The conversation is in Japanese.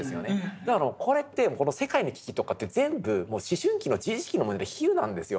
だからこれって世界の危機とかって全部思春期の自意識の比喩なんですよ。